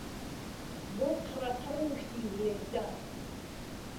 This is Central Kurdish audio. بۆ قرهقڕ و شير لێکدان